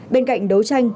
bên cạnh đấu tranh